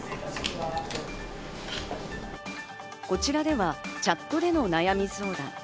こちらではチャットでの悩み相談。